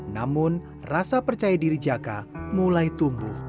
namun rasa percaya diri jaka mulai tumbuh